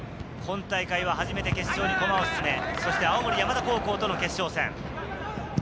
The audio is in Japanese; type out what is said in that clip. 今大会は初めて決勝に駒を進め、青森山田高校との決勝戦。